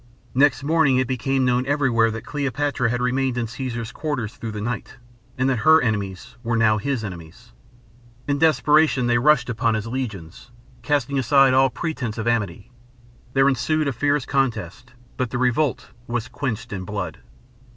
Next morning it became known everywhere that Cleopatra had remained in Caesar's quarters through the night and that her enemies were now his enemies. In desperation they rushed upon his legions, casting aside all pretense of amity. There ensued a fierce contest, but the revolt was quenched in blood.